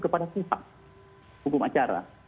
kepada tuhan hukum acara